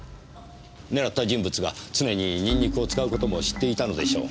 狙った人物が常にニンニクを使う事も知っていたのでしょう。